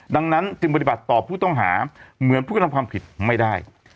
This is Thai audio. ดังนั้นจึงปฏิบัติต่อผู้ต้องหาเหมือนผู้กระทำความผิดไม่ได้